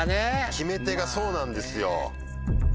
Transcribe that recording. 決め手がそうなんですよ。